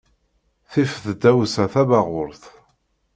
Tif tdawsa tabaɣurt.